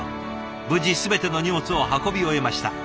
無事全ての荷物を運び終えました。